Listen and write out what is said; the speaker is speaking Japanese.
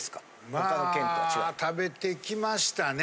まあ食べてきましたね。